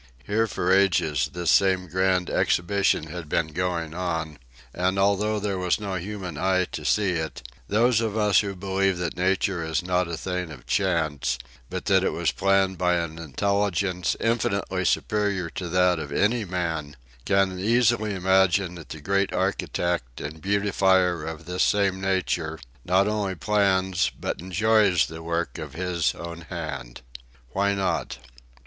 Here for ages this same grand exhibition had been going on, and although there was no human eye to see it, those of us who believe that nature is not a thing of chance, but that it was planned by an intelligence infinitely superior to that of any man, can easily imagine that the Great Architect and beautifier of this same nature, not only plans but enjoys the work of His own hand. Why not?